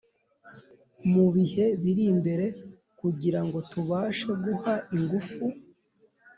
mu bihe biri imbere kugirango tubashe guha ingufu